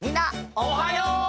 おはよう！